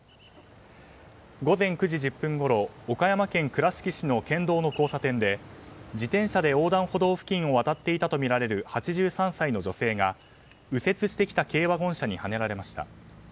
午前９時１０分ごろ岡山県倉敷市の県道の交差点で自転車で横断歩道付近を渡っていたとみられる８３歳の女性が右折してきた軽ワゴン車にはねられました。